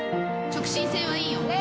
直進性はいいよ。